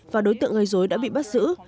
và đối tượng ngây dối đã bị bắt giữ